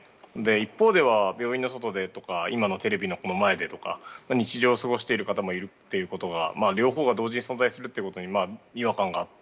一方では病院の外でとか今もテレビの前でとか日常を過ごしている方もいるということが両方が同時に存在するということに違和感があって。